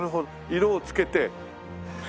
色をつけて。